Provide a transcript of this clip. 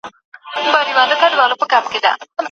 د سياسي پوهي ترلاسه کول د هر افغان اساسي حق دی.